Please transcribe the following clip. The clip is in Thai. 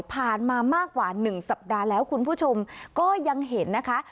มามากกว่า๑สัปดาห์แล้วคุณผู้ชมก็ยังเห็นนะคะ